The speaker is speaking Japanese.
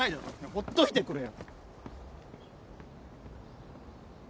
ほっといてくれよ！